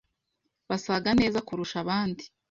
Basaga neza kurusha abandi